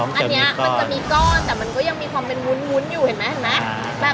อันนี้มันจะมีก้อนแต่มันก็ยังมีความเป็นวุ้นอยู่เห็นไหมเห็นไหม